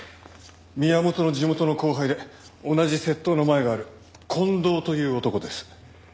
宮本の地元の後輩で同じ窃盗のマエがある近藤という男です。